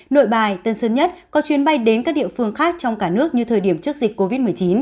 nội bài tân sơn nhất có chuyến bay đến các địa phương khác trong cả nước như thời điểm trước dịch covid một mươi chín